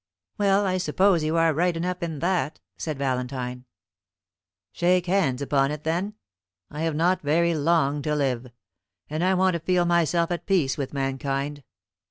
"Well, I suppose you are right enough in that," said Valentine. "Shake hands upon it, then. I have not very long to live, and I want to feel myself at peace with mankind.